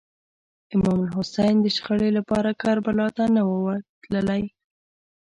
امام حسین د شخړې لپاره کربلا ته نه و تللی.